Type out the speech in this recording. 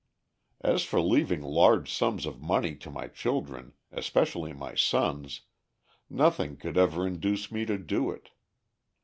As for leaving large sums of money to my children, especially my sons, nothing could ever induce me to do it.